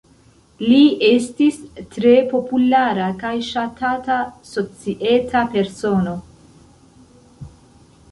Li estis tre populara kaj ŝatata societa persono.